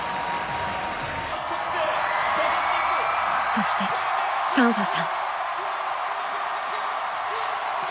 そしてサンファさん。